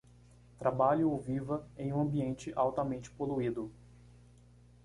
Trabalhe ou viva em um ambiente altamente poluído